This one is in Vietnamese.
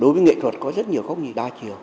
đối với nghệ thuật có rất nhiều góc nhìn đa chiều